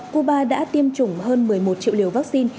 cuba đã tiêm chủng hơn một mươi một triệu liều vaccine